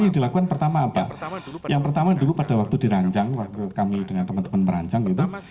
yang dilakukan pertama apa yang pertama dulu pada waktu dirancang waktu kami dengan teman teman merancang gitu